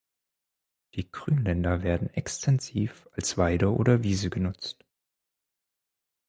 Die Grünländer werden extensiv als Weide oder Wiese genutzt.